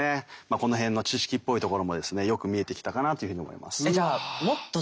この辺の知識っぽいところもですねよく見えてきたかなというふうに思います。